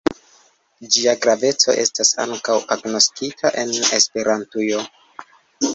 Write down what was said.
Ĝia graveco estas ankaŭ agnoskita en Esperantujo.